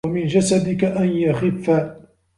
وَمِنْ جَسَدِك أَنْ يَخِفَّ